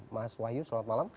mas wahyu selamat malam